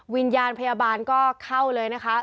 วิญญาณพยาบาลก็เข้าเลยนะคะ